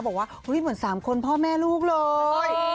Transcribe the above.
บอกว่าเหมือน๓คนพ่อแม่ลูกเลย